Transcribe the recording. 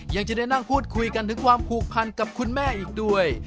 ยังจะได้นั่งพูดคุยกันถึงความผูกพันกับคุณแม่อีกด้วย